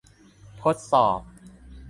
ทดสอบ